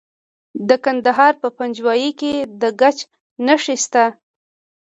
د کندهار په پنجوايي کې د ګچ نښې شته.